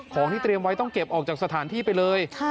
ของที่เตรียมไว้ต้องเก็บออกจากสถานที่ไปเลย